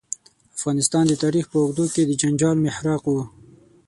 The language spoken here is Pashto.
افغانستان د تاریخ په اوږدو کې د جنجال محراق و.